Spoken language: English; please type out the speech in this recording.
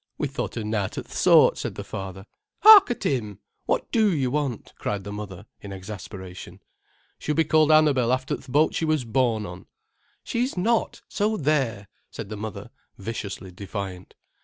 "We thought of nowt o' th' sort," said the father. "Hark at him! What do you want?' cried the mother in exasperation. "She'll be called Annabel after th' boat she was born on." "She's not, so there," said the mother, viciously defiant.